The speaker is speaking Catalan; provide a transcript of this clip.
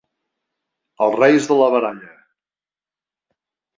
Els reis de la baralla.